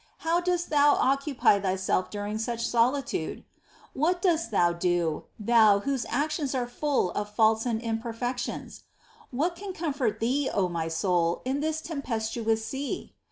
How dost thou occupy thyself during such solitude ? What dost thou do — thou, whose actions are full of faults and imperfections ? What can comfort thee, O my soul, in this tempestuous sea